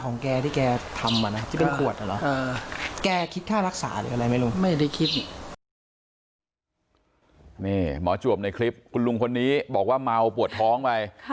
นี่หมอจวบในคลิปคุณลุงคนนี้บอกว่าเมาปวดท้องไป